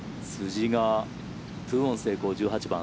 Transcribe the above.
辻が２オン成功１８番。